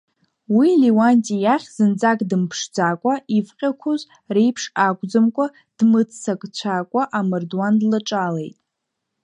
Уи Леуанти иахь зынӡак дымԥшӡакәа, ивҟьақәоз реиԥш акәӡамкәа, дмыццакцәакәа амардуан длаҿалеит.